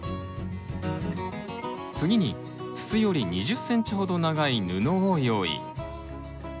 次に筒より２０ｃｍほど長い布を用意。